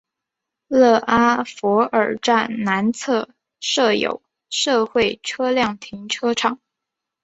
勒阿弗尔站南侧设有社会车辆停车场。